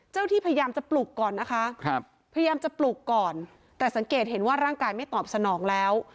ที่พยายามจะปลุกก่อนนะคะพยายามจะปลุกก่อนแต่สังเกตเห็นว่าร่างกายไม่ตอบสนองแล้ว